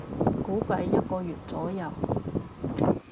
估計一個月左右